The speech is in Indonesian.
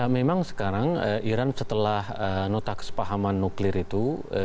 memang sekarang iran setelah notak sepahaman nuklir itu